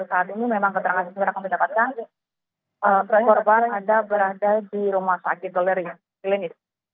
saat ini memang keterangkasan yang kami dapatkan korban ada berada di rumah sakit